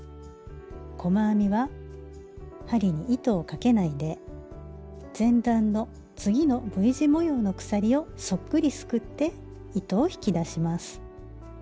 細編みは針に糸をかけないで前段の次のＶ字模様の鎖をそっくりすくって糸を引き出します。